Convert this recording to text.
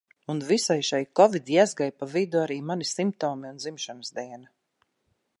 Un visai šai kovidjezgai pa vidu arī mani simptomi un dzimšanas diena.